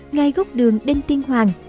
ngay góc đường đinh tiên hoàng